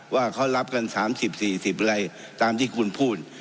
ว่าเขารับกัน๓๐๔๐อะไรตามที่คุณพูด